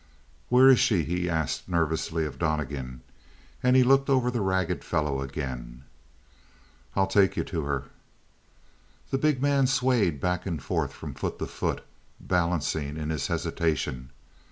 "Where is she?" he asked nervously of Donnegan, and he looked over the ragged fellow again. "I'll take you to her." The big man swayed back and forth from foot to foot, balancing in his hesitation.